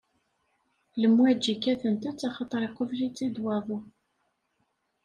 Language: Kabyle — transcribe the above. Lemwaǧi kkatent-tt axaṭer iqubel-itt-id waḍu.